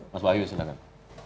mas wahyu silakan